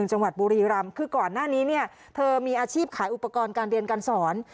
จังหวัดบุรีรำคือก่อนหน้านี้เนี่ยเธอมีอาชีพขายอุปกรณ์การเรียนการสอน